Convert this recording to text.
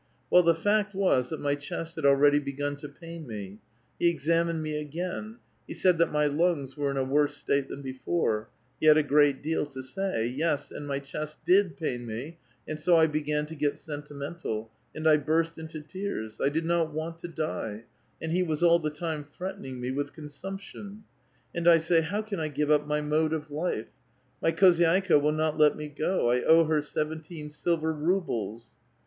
Well, the fact T^^s that my chest had already begun to pain me ; he exam "ined me again ; he said that my lungs were in a worse state *J^a n before ; he had a great deal to say ; yes, and my chest V^^ pain me, and so I began to get sentimental, and I burst ^^to teara. I did not want to die, and he was all the time threatening me with consumption. And I say, 'How can I K^ve up my mode of life? My khozydika will not let me go. A owe her seventeen silver rubles.'